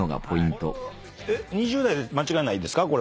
２０代で間違いないですか？